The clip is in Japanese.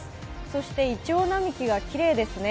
そしていちょう並木がきれいですね。